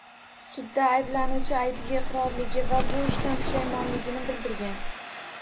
Sudda ayblanuvchi aybiga iqrorligi va bu ishidan pushaymonligini bildirgan